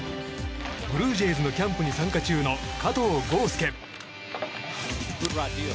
ブルージェイズのキャンプに参加中の加藤豪将。